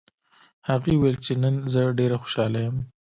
هغې وویل چې نن زه ډېره خوشحاله یم